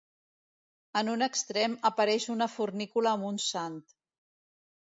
En un extrem apareix una fornícula amb un sant.